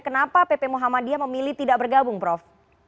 kenapa pp muhammadiyah memilih tidak bergabung prof